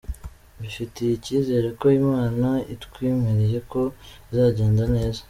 Mbifitiye icyizere ko Imana itwemereye ko bizagenda neza.